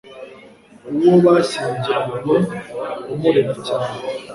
uwo bashyingiranywe umurera cyangwa